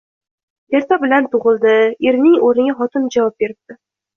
- Erta bilan tug‘ildi, - erining o‘rniga xotini javob beribdi